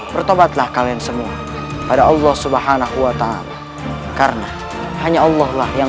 bertobatlah kalian semua pada allah swt karena hanya allah lah yang